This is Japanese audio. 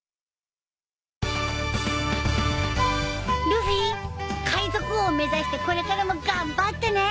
ルフィ海賊王目指してこれからも頑張ってね。